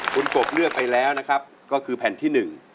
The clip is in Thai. คุณกบเลือกไปแล้วนะครับก็คือแผ่นที่๑